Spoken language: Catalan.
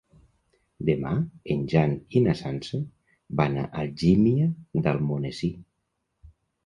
Demà en Jan i na Sança van a Algímia d'Almonesir.